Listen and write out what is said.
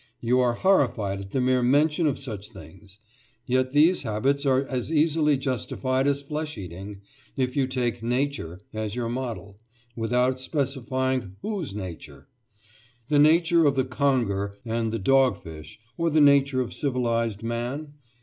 You are horrified at the mere mention of such things. Yet these habits are as easily justified as flesh eating, if you take "Nature" as your model, without specifying whose nature? The nature of the conger and the dog fish, or the nature of civilised man?